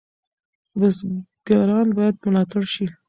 بزګران باید ملاتړ شي.